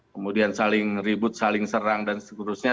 kemudian saling ribut saling serang dan seterusnya